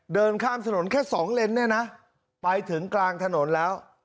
เดินข้ามถนนแค่สองเลนเนี่ยนะไปถึงกลางถนนแล้ว